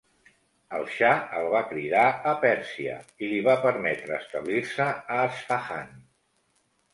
El xa el va cridar a Pèrsia i li va permetre establir-se a Esfahan.